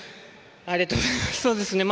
ありがとうございます。